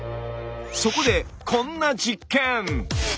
そこでこんな実験！